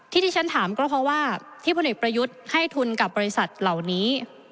ที่ที่ฉันถามก็เพราะว่าที่พลเอกประยุทธ์ให้ทุนกับบริษัทเหล่านี้